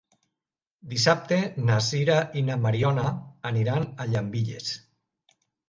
Dissabte na Sira i na Mariona aniran a Llambilles.